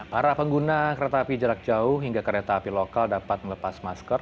para pengguna kereta api jarak jauh hingga kereta api lokal dapat melepas masker